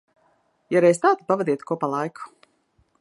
Ja reiz tā, tad pavadiet kopā laiku.